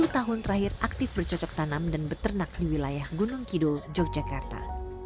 sepuluh tahun terakhir aktif bercocok tanam dan beternak di wilayah gunung kidul yogyakarta